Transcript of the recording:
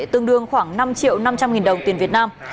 tương đương khoảng năm triệu năm trăm linh nghìn đồng tiền việt nam